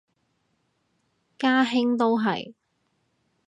家兄都係